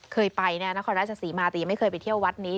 เคยไปนะนครราชสีมาแต่ยังไม่เคยไปเที่ยววัดนี้